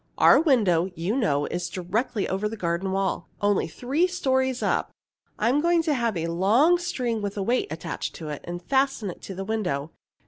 Our window, you know, is directly over the garden wall, only three stories up. I'm going to have a long string with a weight attached to it, and fasten it in the window.